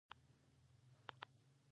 بېنډۍ له وریجو سره یو خوندور ترکیب دی